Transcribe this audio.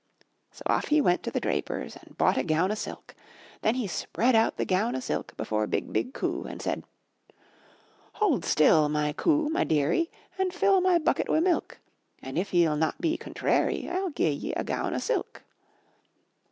So off he went to the Draper's and bought a gown o' silk. Then he spread out the gown o' silk before BIG, BIG COO and said Hold still, my COO, my dearie, And fill my bucket wi' milk, And if ye'll not be contrairy, I'll gi'e ye a gown o' silk."